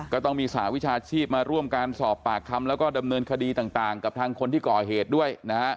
ก็ต้องมีสหวิชาชีพมาร่วมการสอบปากคำแล้วก็ดำเนินคดีต่างกับทางคนที่ก่อเหตุด้วยนะฮะ